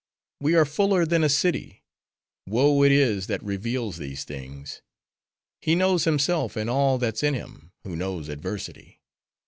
We are fuller than a city. Woe it is, that reveals these things. He knows himself, and all that's in him, who knows adversity.